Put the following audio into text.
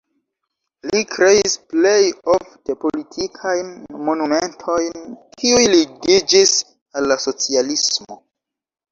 Li kreis plej ofte politikajn monumentojn, kiuj ligiĝis al la socialismo.